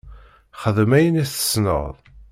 Xdem ayen i tessneḍ.